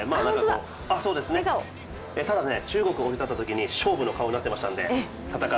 ただ、中国に降り立ったときに勝負の顔になっていました。